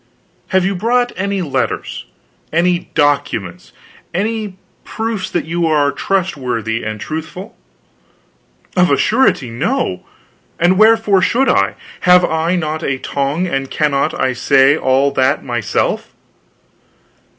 "Have you brought any letters any documents any proofs that you are trustworthy and truthful?" "Of a surety, no; and wherefore should I? Have I not a tongue, and cannot I say all that myself?"